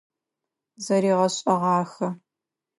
Зэригъэшӏэгъахэ.